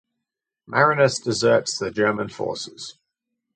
Marinus deserts the German forces.